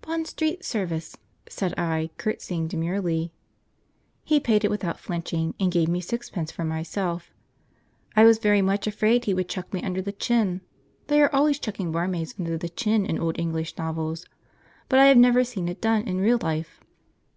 "Bond Street service," said I, curtsying demurely. He paid it without flinching, and gave me sixpence for myself. I was very much afraid he would chuck me under the chin; they are always chucking barmaids under the chin in old English novels, but I have never seen it done in real life.